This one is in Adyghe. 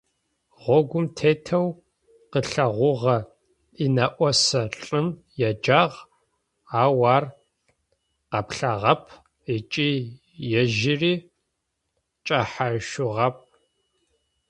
Гъогум тетэу къылъэгъугъэ инэӏосэ лӏым еджагъ, ау ар къэплъагъэп ыкӏи ежьыри кӏэхьашъугъэп.